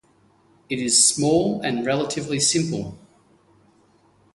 It is small and relatively simple.